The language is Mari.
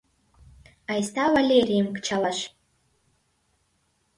Айста Валерийым кычалаш!